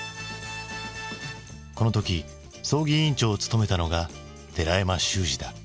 この時葬儀委員長を務めたのが寺山修司だ。